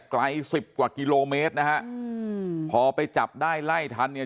สิบกว่ากิโลเมตรนะฮะอืมพอไปจับได้ไล่ทันเนี่ย